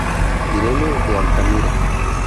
Irene de Altamira.